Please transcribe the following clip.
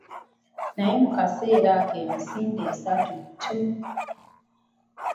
Naye mu kaseera ako emisinde esatu ttu!